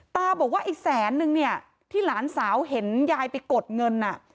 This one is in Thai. ตาบอกว่าไอ้แสนนึงเนี่ยที่หลานสาวเห็นยายไปกดเงิน